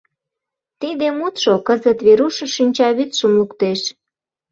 Тиде мутшо кызыт Верушын шинчавӱдшым луктеш.